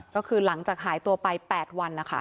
ก็คือหลังจากหายตัวไป๘วันนะคะ